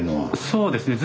そうですね。